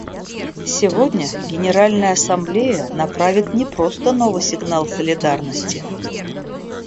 Сегодня Генеральная Ассамблея направит не просто новый сигнал солидарности.